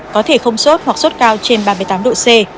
có thể không sốt hoặc sốt cao trên ba mươi tám độ c